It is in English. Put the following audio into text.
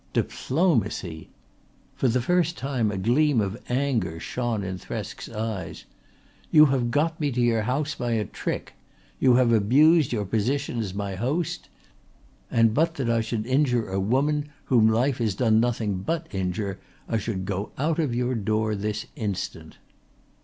"Diplomacy!" For the first time a gleam of anger shone in Thresk's eyes. "You have got me to your house by a trick. You have abused your position as my host. And but that I should injure a woman whom life has done nothing but injure I should go out of your door this instant."